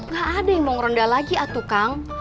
gak ada yang mau ngeronda lagi atuh kang